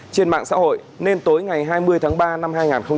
trên mạng xã hội nên tối ngày hai mươi tháng ba năm hai nghìn hai mươi